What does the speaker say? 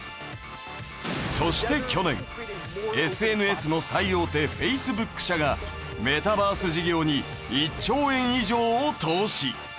そして去年ＳＮＳの最大手Ｆａｃｅｂｏｏｋ社がメタバース事業に１兆円以上を投資。